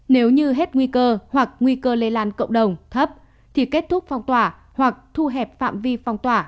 nếu như hết nguy cơ hoặc nguy cơ lây lan cộng đồng thấp thì kết thúc phong tỏa hoặc thu hẹp phạm vi phong tỏa